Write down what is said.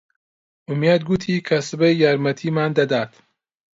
ئومێد گوتی کە سبەی یارمەتیمان دەدات.